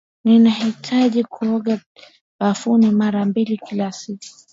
Ninahitaji kuoga bafuni mara mbili kila siku.